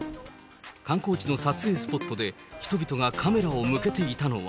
観光地の撮影スポットで人々がカメラを向けていたのは。